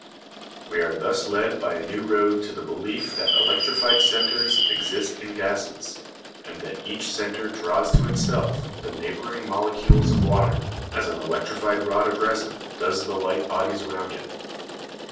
We are thus led by a new road to the belief that electrified centres exist in gases, and that each centre draws to itself the neighbouring molecules of water, as an electrified rod of resin does the light bodies around it.